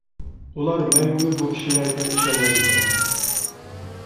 ئۇلار مەڭگۈ بۇ كىشىلەرگە ئىشەنمەيدىكەن.